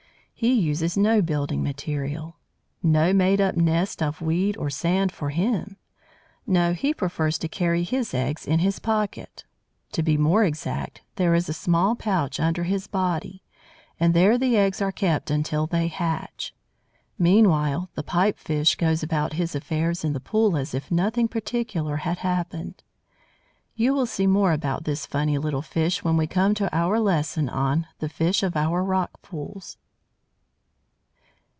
He uses no building material! No made up nest of weed or sand for him! No, he prefers to carry his eggs in his pocket. To be more exact, there is a small pouch under his body, and there the eggs are kept until they hatch. Meanwhile, the Pipe fish goes about his affairs in the pool as if nothing particular had happened. You will see more about this funny little fish when we come to our lesson on "The Fish of our Rock pools."